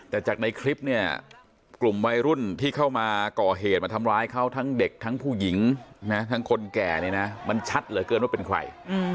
และกลุ่มวัยรุ่นที่เข้ามาก่อเหตุมาทำร้ายเขาทั้งเด็กทั้งผู้หญิงทั้งคนแก่นี้นะมันชัดเหลือเกินว่าเป็นควร